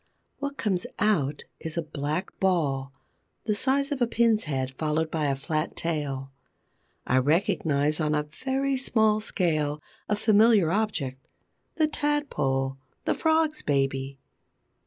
What comes out is a black ball, the size of a pin's head, followed by a flat tail. I recognize, on a very small scale, a familiar object: the Tadpole, the Frog's baby.